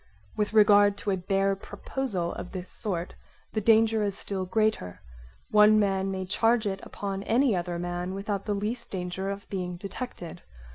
With regard to a bare proposal of this sort the danger is still greater: one man may charge it upon any other man without the least danger of being detected.